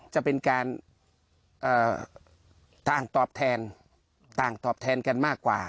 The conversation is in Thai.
จะเป็นการต่างตอบแทนต่างตอบแทนกันมากกว่า